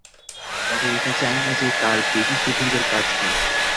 তবে এটা চাই না যে, আর বেবিসিটিংয়ের কাজ করো।